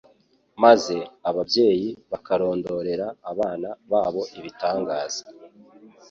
maze ababyeyi bakarondorera abana babo ibitangaza